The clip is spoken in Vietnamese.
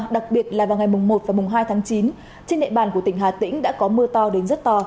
đặc biệt là vào ngày một và mùng hai tháng chín trên địa bàn của tỉnh hà tĩnh đã có mưa to đến rất to